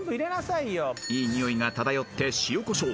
［いい匂いが漂って塩こしょう］